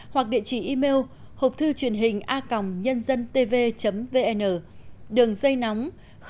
hoặc địa chỉ email hộpthư truyền hình a nhânzantv vn đường dây nóng tám trăm tám mươi tám bảy trăm một mươi tám nghìn tám trăm chín mươi chín